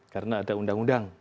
karena ada undang undang